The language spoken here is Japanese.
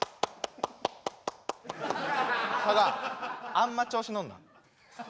あんま調子乗んな。